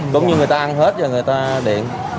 đúng như người ta ăn hết cho người ta điện